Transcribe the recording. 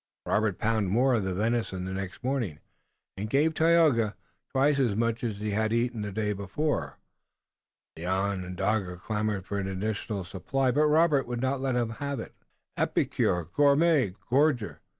Robert pounded more of the venison the next morning and gave Tayoga twice as much as he had eaten the day before. The Onondaga clamored for an additional supply, but Robert would not let him have it. "Epicure! Gourmand! Gorger!"